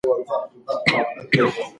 که ته رښتیا ووایې نو زړه دې ارام وي.